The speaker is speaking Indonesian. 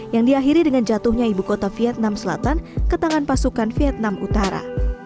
yang diakhiri dengan jatuhnya ibu kota vietnam selatan ke tangan pasukan vietnam utara